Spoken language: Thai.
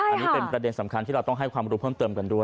อันนี้เป็นประเด็นสำคัญที่เราต้องให้ความรู้เพิ่มเติมกันด้วย